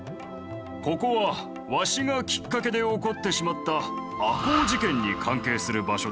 ここはわしがきっかけで起こってしまった赤穂事件に関係する場所でな。